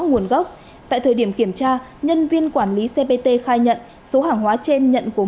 nguồn gốc tại thời điểm kiểm tra nhân viên quản lý cpt khai nhận số hàng hóa trên nhận của